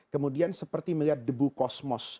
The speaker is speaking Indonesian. kemudian seperti melihat debu kosmos